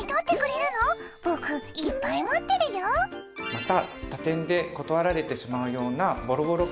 また。